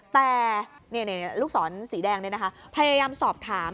แต่ลูกศรสีแดงนี่นะคะพยายามสอบถาม